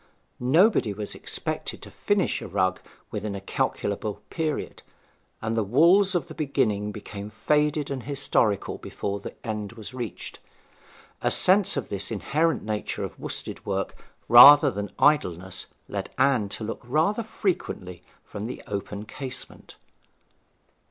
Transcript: Nobody was expected to finish a rug within a calculable period, and the wools of the beginning became faded and historical before the end was reached. A sense of this inherent nature of worsted work rather than idleness led Anne to look rather frequently from the open casement.